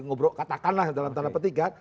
ngobrol katakanlah dalam tanda petiga